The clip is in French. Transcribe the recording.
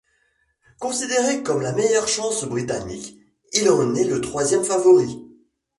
Considéré comme la meilleure chance britannique, il en est le troisième favori.